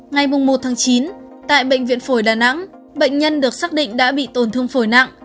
ngày một chín tại bệnh viện phổi đà nẵng bệnh nhân được xác định đã bị tổn thương phổi nặng